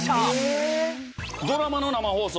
ドラマの生放送。